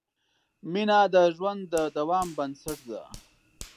مینه د ژوند د دوام بنسټ ده.